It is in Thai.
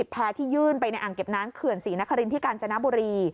แพ้ที่ยื่นไปในอ่างเก็บน้ำเขื่อนศรีนครินที่กาญจนบุรี